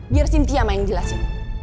biar sintia yang jelasin